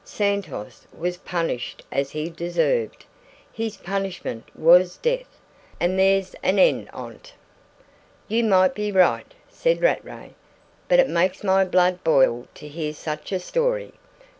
Santos was punished as he deserved; his punishment was death, and there's an end on't." "You might be right," said Rattray, "but it makes my blood boil to hear such a story.